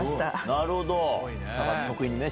なるほど！